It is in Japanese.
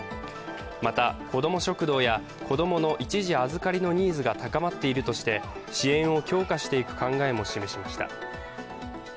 また、子ども食堂や子供の一時預かりのニーズが高まっているとして支援を強化していく考えも示しました。